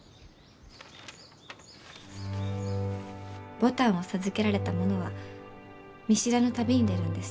牡丹を授けられた者は見知らぬ旅に出るんです。